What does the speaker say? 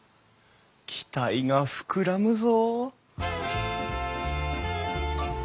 期待が膨らむぞ。